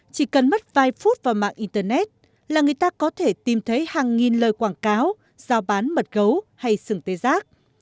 chỉ cần mất vài phút vào mạng internet là người ta có thể tìm thấy hàng nghìn lời quảng cáo giao bán mật gấu hay sừng tê giác